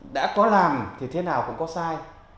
đã có làm thì thế nào cũng có sai